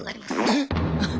えっ！